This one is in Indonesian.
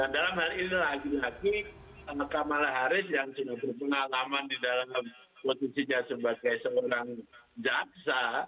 dalam hal ini lagi lagi kamala harris yang sudah berpengalaman di dalam posisinya sebagai seorang jaksa